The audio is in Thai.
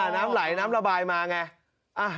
น้ำไหลน้ำระบายมาไง